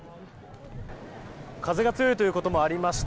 風が強いということもありまして